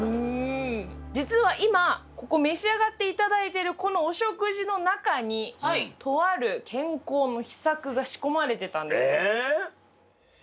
実は今ここ召し上がっていただいてるこのお食事の中にとある健康の秘策が仕込まれてたんです。え！？